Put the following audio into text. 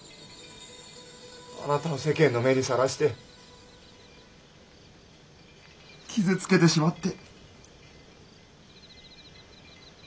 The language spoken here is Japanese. あなたを世間の目にさらして傷つけてしまって。